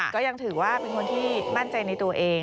ก็ยังถือว่าเป็นคนที่มั่นใจในตัวเอง